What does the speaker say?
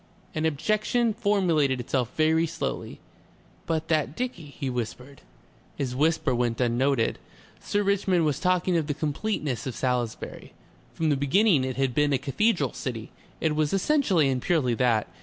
An objection formulated itself very slowly. "But that dicky," he whispered. His whisper went unnoted. Sir Richmond was talking of the completeness of Salisbury. From the very beginning it had been a cathedral city; it was essentially and purely that.